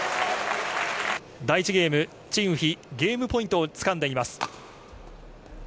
第１ゲーム、チン・ウヒ、ゲームポイントをつかんでいます。